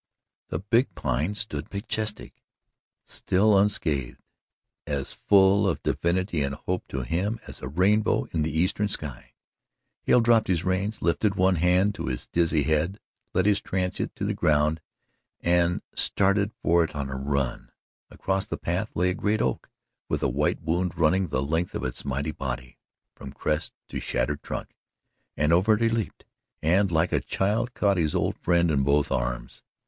The big Pine stood majestic, still unscathed, as full of divinity and hope to him as a rainbow in an eastern sky. Hale dropped his reins, lifted one hand to his dizzy head, let his transit to the ground, and started for it on a run. Across the path lay a great oak with a white wound running the length of its mighty body, from crest to shattered trunk, and over it he leaped, and like a child caught his old friend in both arms.